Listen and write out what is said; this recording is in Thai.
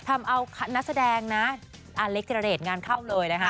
ทำเอานักแสดงอเล็กท์ทิรดเดชงานเข้าเลย